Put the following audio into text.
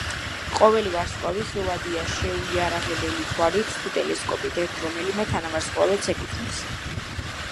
ყოველი ვარსკვლავი, ხილვადია შეუიარაღებელი თვალით თუ ტელესკოპით, ერთ რომელიმე თანავარსკვლავედს ეკუთვნის.